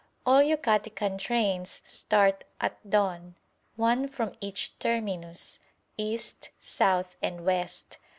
All Yucatecan trains start at dawn, one from each terminus, east, south, and west.